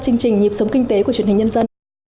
chương trình nhịp sống kinh tế của truyền hình nhân dân